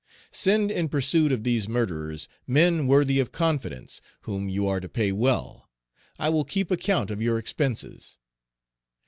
Send in pursuit of these murderers men worthy of confidence, whom you are to pay well; I will keep account of your expenses.